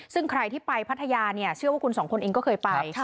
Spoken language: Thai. ซึ่งใครที่ไปพัทยาเนี่ยเชื่อว่าคุณสองคนเองก็เคยไป